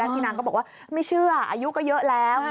พี่นางก็บอกว่าไม่เชื่ออายุก็เยอะแล้ว